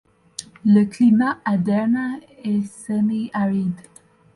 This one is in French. Le climat à Derna est semi-aride.